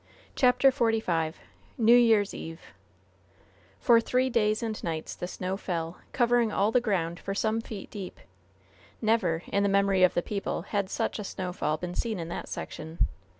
'" CHAPTER XLV NEW YEAR'S EVE For three days and nights the snow fell, covering all the ground for some feet deep. Never, in the memory of the people, had such a snowfall been seen in that section.